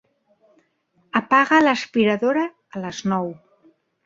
Apaga l'aspiradora a les nou.